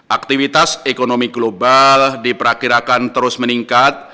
aktivitas ekonomi global diperkirakan terus meningkat